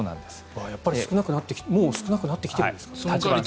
やっぱりもう少なくなってきてるんですか。